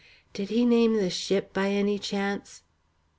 "Did he name the ship by any chance?"